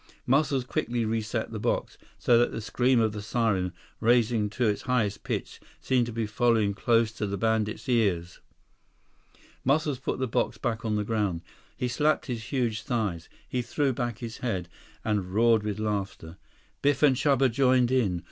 Muscles quickly reset the box, so that the scream of the siren, rising to its highest pitch, seemed to be following close to the bandits' ears. Muscles put the box back on the ground. He slapped his huge thighs, threw back his head, and roared with laughter. Biff and Chuba joined him.